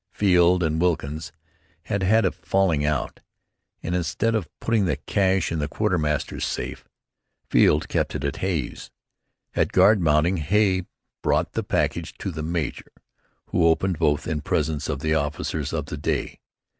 Field and Wilkins had had a falling out, and, instead of putting the cash in the quartermaster's safe, Field kept it at Hay's. At guard mounting Hay brought the package to the major, who opened both in presence of the officers of the day.